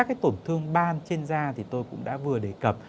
các tổn thương ban trên da thì tôi cũng đã vừa đề cập